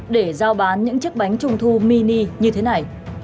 để giao bán những chiếc bánh trung thu mini như thế này